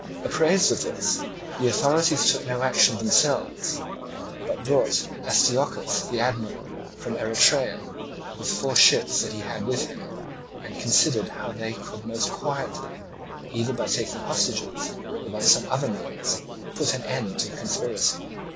Apprised of this the authorities took no action themselves, but brought Astyochus, the admiral, from Erythrae, with four ships that he had with him, and considered how they could most quietly, either by taking hostages or by some other means, put an end to the conspiracy.